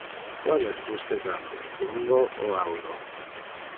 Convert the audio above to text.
Qual es plus pesante, plumbo o auro?